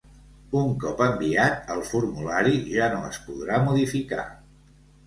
Un cop enviat, el formulari ja no es podrà modificar.